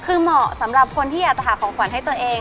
คือเหมาะสำหรับคนที่อยากจะหาของขวัญให้ตัวเอง